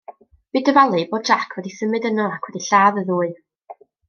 Bu dyfalu bod Jack wedi symud yno ac wedi lladd y ddwy.